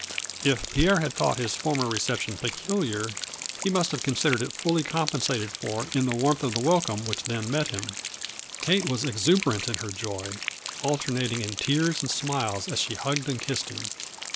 If Pierre had thought his former reception peculiar he must have considered it fully com pensated for in the warmth of the welcome which then met him. 196 A FLURRY IN DIAMONDS. Kate was exuberant in her joy, alternating in tears and smiles as she hugged and kissed him.